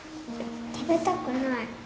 食べたくない。